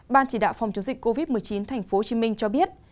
ban chỉ đạo phòng chống dịch covid một mươi chín tp hcm cho biết